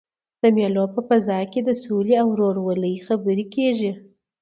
د مېلو په فضا کښي د سولي او ورورولۍ خبري کېږي.